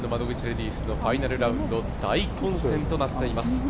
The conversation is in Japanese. レディースのファイナルラウンド大混戦となっています。